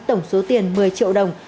tổng số tiền một mươi triệu đồng